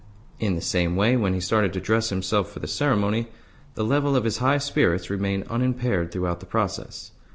In the same way, when he started to dress himself for the ceremony, the level of his high spirits remained unimpaired throughout the process.